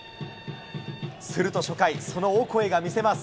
すると初回、そのオコエが見せます。